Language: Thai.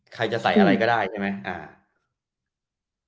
ใครจะใส่อะไรก็ได้ใช่ไหม